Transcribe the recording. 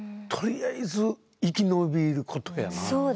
とりあえず生き延びることやな。